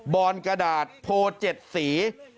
อนกระดาษโพล๗สี